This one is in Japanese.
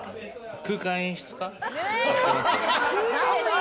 空間演出家。